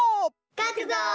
かくぞ！